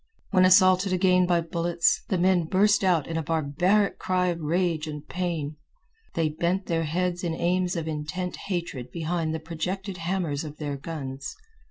When assaulted again by bullets, the men burst out in a barbaric cry of rage and pain. They bent their heads in aims of intent hatred behind the projected hammers of their guns.